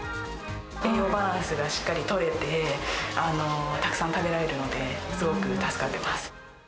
栄養バランスがしっかりとれて、たくさん食べられるので、すごく助かってます。